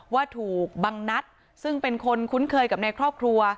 ว่าถูกบังนัดซึ่งเป็นคนคุ้นเคยกับในครอบครัว